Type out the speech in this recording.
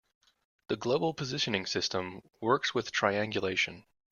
The global positioning system works with triangulation.